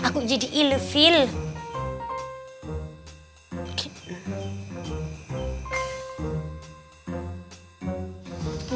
gw jadi ih viel kep